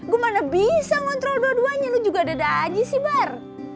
gua mana bisa ngontrol dua duanya lu juga deda aja sih bar